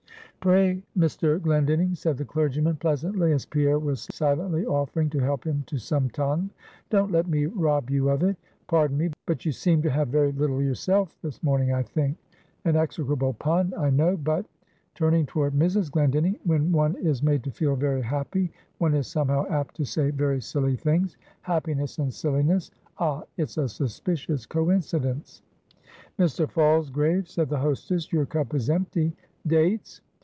"Pray, Mr. Glendinning," said the clergyman, pleasantly, as Pierre was silently offering to help him to some tongue "don't let me rob you of it pardon me, but you seem to have very little yourself this morning, I think. An execrable pun, I know: but" turning toward Mrs. Glendinning "when one is made to feel very happy, one is somehow apt to say very silly things. Happiness and silliness ah, it's a suspicious coincidence." "Mr. Falsgrave," said the hostess "Your cup is empty. Dates!